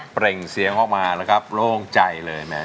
เปร่งเสียงออกมาแล้วครับโล่งใจเลยนะฮะ